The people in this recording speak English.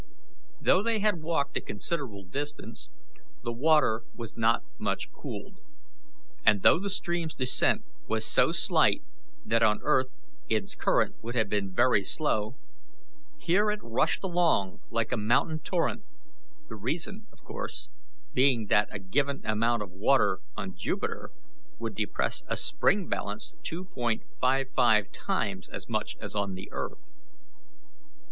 Though they had walked a considerable distance, the water was not much cooled; and though the stream's descent was so slight that on earth its current would have been very slow, here it rushed along like a mountain torrent, the reason, of course, being that a given amount of water on Jupiter would depress a spring balance 2.55 times as much as on the earth.